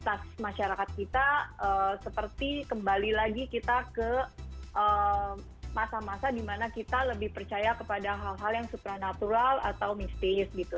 kualitas masyarakat kita seperti kembali lagi kita ke masa masa di mana kita lebih percaya kepada hal hal yang supranatural atau mistis gitu